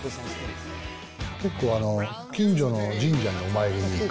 結構、近所の神社にお参りに行く。